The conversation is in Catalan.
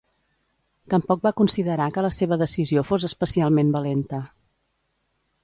Tampoc va considerar que la seva decisió fos especialment valenta.